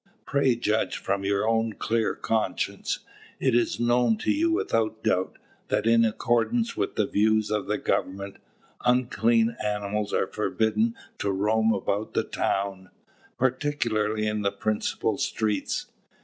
Pray judge from your own clear conscience. It is known to you without doubt, that in accordance with the views of the government, unclean animals are forbidden to roam about the town, particularly in the principal streets.